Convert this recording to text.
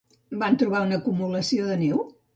Van trobar una acumulació de neu?